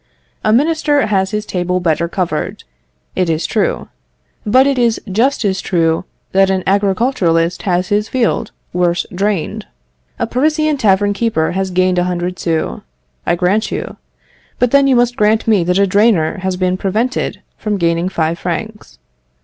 A minister has his table better covered, it is true; but it is just as true that an agriculturist has his field worse drained. A Parisian tavern keeper has gained a hundred sous, I grant you; but then you must grant me that a drainer has been prevented from gaining five francs.